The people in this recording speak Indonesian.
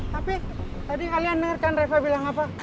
tapi tadi kalian denger kan reva bilang apa